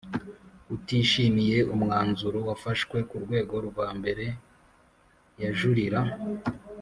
utishimiye umwanzuro wafashwe ku rwego rwa mbere yajurira